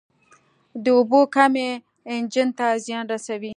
د اوبو کمی انجن ته زیان رسوي.